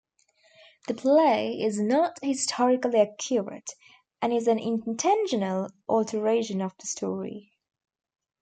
The play is not historically accurate, and is an intentional alteration of the story.